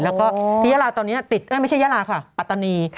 แล้วก็ที่ยาลาตอนนี้ติดไม่ใช่ยาลาค่ะปัตตานี